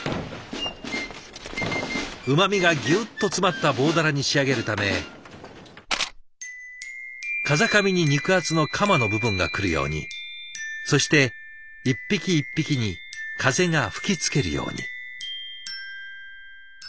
うまみがギュッと詰まった棒鱈に仕上げるため風上に肉厚のカマの部分が来るようにそして一匹一匹に風が吹きつけるように。